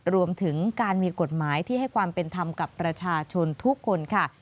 รวมถึงการมีกฎหมายที่ให้ความเป็นธรรมกับประชาชนทุกคนค่ะ